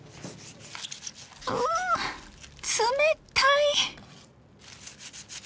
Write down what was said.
うう冷たい！